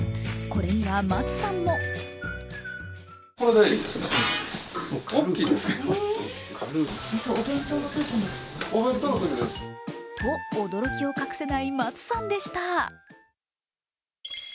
これには松さんもと驚きを隠せない松さんでした。